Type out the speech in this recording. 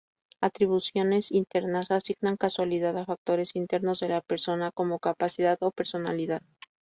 Atribuciones "internas" asignan causalidad a factores internos de la persona, como capacidad o personalidad.